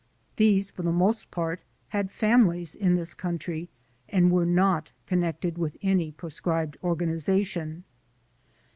These for the most part had families in this country and were not connected with any proscribed organization.